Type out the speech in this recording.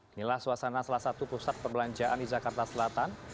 inilah suasana salah satu pusat perbelanjaan di jakarta selatan